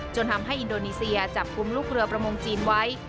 จนทำให้อินโดนีเซียจับกุมลูกเรือประมงจีนไว้